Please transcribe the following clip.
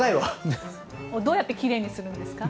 どうやってきれいにするんですか。